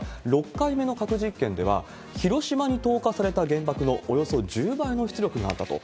６回目の核実験では、広島に投下された原爆のおよそ１０倍の出力があったと。